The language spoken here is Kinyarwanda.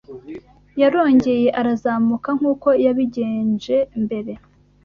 yarongeye arazamuka nk’uko yabigenje mbere